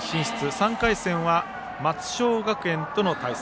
３回戦は松商学園との対戦。